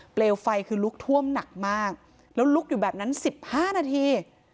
เปลวไฟคือลุกท่วมหนักมากแล้วลุกอยู่แบบนั้น๑๕นาที